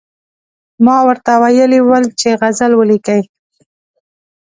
ما ورته ویلي ول چې غزل ولیکئ.